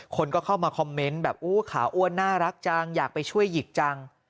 คนก็เข้ามาคอมเมนต์แบบอู้ขาอ้วนน่ารักจังอยากไปช่วยหยิกจัง